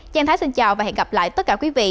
giang thái xin chào và hẹn gặp lại tất cả quý vị